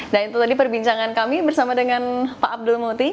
nah itu tadi perbincangan kami bersama dengan pak abdul muti